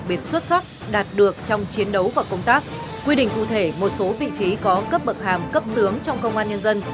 một số vị trí có cấp bậc hàm cấp tướng trong công an nhân dân